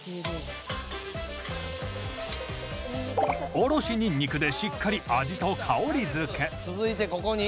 おろしニンニクでしっかり味と香り付け続いてここに？